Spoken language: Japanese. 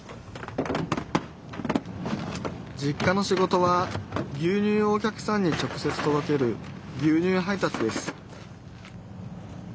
実家の仕事は牛乳をお客さんに直接とどける牛乳配達です